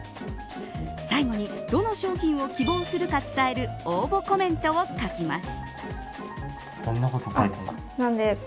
最後にどの商品を希望するか伝える応募コメントを書きます。